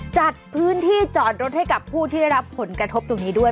จัดพื้นที่จอดรถให้กับผู้ที่ได้รับผลกระทบตรงนี้ด้วย